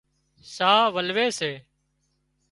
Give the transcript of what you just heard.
ساهَه ولوي سي